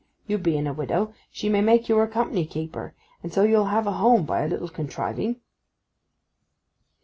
You being a widow, she may make you her company keeper; and so you'll have a home by a little contriving.